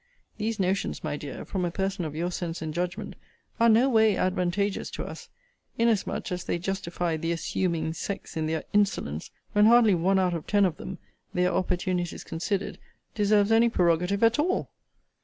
These notions, my dear, from a person of your sense and judgment, are no way advantageous to us; inasmuch as they justify the assuming sex in their insolence; when hardly one out of ten of them, their opportunities considered, deserves any prerogative at all.